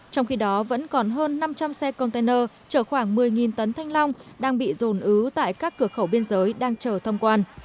trong khi đó vẫn còn hơn năm trăm linh xe container chở khoảng một mươi tấn thanh long đang bị rồn ứu tại các cửa khẩu biên giới đang chở thâm quan